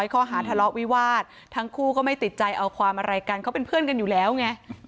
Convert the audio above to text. เขาหาทะเลาะวิวาสทั้งคู่ก็ไม่ติดใจเอาความอะไรกัน